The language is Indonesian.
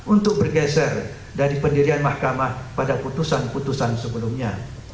untuk bergeser dari pendirian mahkamah pada putusan putusan sebelumnya